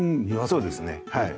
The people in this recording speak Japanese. そうですねはい。